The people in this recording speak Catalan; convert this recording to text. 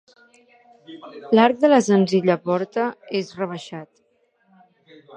L'arc de la senzilla porta és rebaixat.